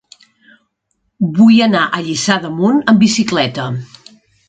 Vull anar a Lliçà d'Amunt amb bicicleta.